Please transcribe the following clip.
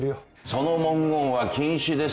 その文言は禁止です。